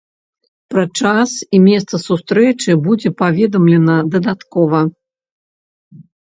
Пра час і месца сустрэчы будзе паведамлена дадаткова.